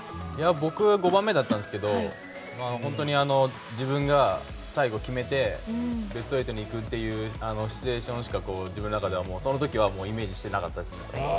僕は５番目だったんですけど本当に自分が最後、決めてベスト８に行くというシチュエーションしか自分の中ではその時はイメージしてなかったです。